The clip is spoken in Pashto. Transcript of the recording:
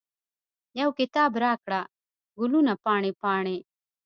یو کتاب راکړه، ګلونه پاڼې، پاڼې